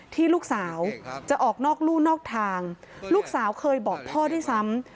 ที่ลูกสาวจะออกนอกลู่นอกทางลูกสาวเคยบอกพ่อด้วยซ้ำ